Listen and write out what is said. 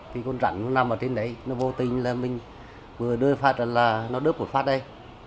thì con rắn nó nằm ở trên đấy nó vô tình là mình vừa đưa phát là nó đớp một phát đây